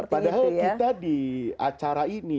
padahal kita di acara ini